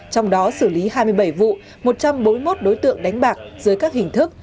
trong đó xử lý hai mươi bảy vụ một trăm bốn mươi một đối tượng đánh bạc dưới các hình thức